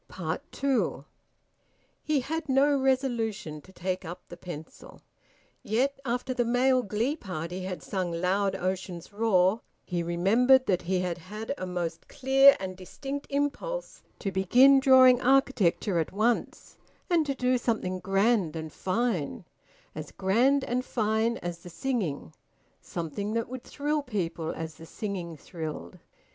TWO. He had no resolution to take up the pencil. Yet after the Male Glee Party had sung "Loud Ocean's Roar," he remembered that he had had a most clear and distinct impulse to begin drawing architecture at once, and to do something grand and fine, as grand and fine as the singing, something that would thrill people as the singing thrilled.